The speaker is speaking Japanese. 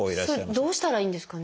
それどうしたらいいんですかね？